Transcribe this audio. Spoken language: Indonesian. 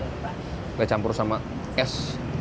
nggak campur sama es